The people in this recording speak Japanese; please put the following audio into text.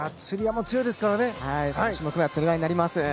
３種目めつり輪になります。